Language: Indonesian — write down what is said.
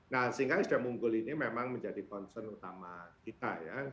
nah sehingga isda munggul ini memang menjadi concern utama kita ya